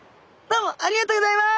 ありがとうございます。